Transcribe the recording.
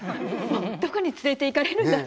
どこに連れていかれるんだろう。